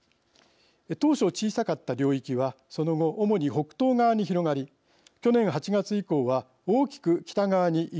当初小さかった領域はその後主に北東側に広がり去年８月以降は大きく北側に移動していました。